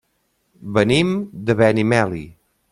Venim de Benimeli.